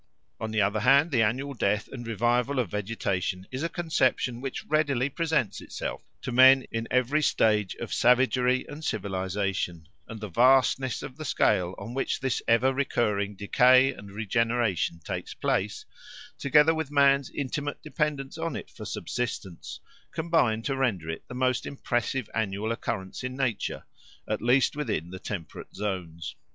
On the other hand, the annual death and revival of vegetation is a conception which readily presents itself to men in every stage of savagery and civilisation; and the vastness of the scale on which this ever recurring decay and regeneration takes place, together with man's intimate dependence on it for subsistence, combine to render it the most impressive annual occurrence in nature, at least within the temperate zones.